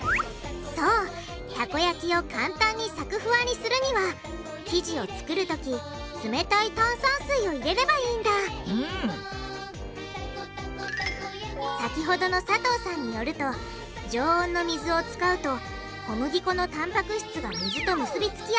そうたこ焼きを簡単にサクフワにするには生地を作るときつめたい炭酸水を入れればいいんだ先ほどの佐藤さんによると常温の水を使うと小麦粉のたんぱく質が水と結び付きやすい。